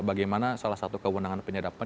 bagaimana salah satu kewenangan penyadapan